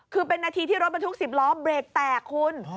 คือเป็นนาทีที่รถบรรทุก๑๐ล้อเบรกแตกคุณ